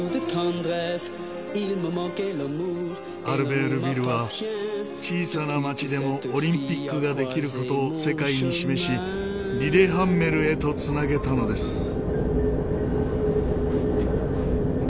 アルベールヴィルは小さな町でもオリンピックができる事を世界に示しリレハンメルへと繋げたのです。